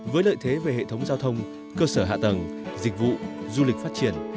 với lợi thế về hệ thống giao thông cơ sở hạ tầng dịch vụ du lịch phát triển